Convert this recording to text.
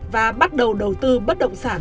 và bắt đầu đầu tư bất động sản